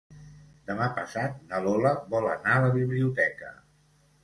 Demà passat na Lola vol anar a la biblioteca.